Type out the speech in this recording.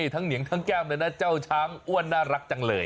เหนียงทั้งแก้มเลยนะเจ้าช้างอ้วนน่ารักจังเลย